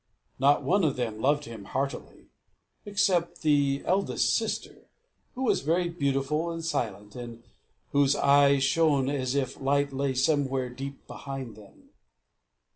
Not one of them loved him heartily, except the eldest sister, who was very beautiful and silent, and whose eyes shone as if light lay somewhere deep behind them.